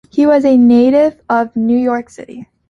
He was a native of New York City.